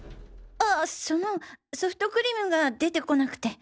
ああそのソフトクリームが出てこなくて。